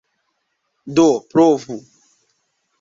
Do provu!